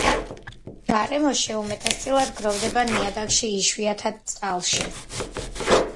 გარემოში უმეტესწილად გროვდება ნიადაგში, იშვიათად წყალში.